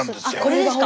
これですか？